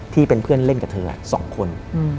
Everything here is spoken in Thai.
ที่เป็นเพื่อนเล่นกับเธอ๒คน